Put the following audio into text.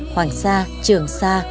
hoàng sa trường sa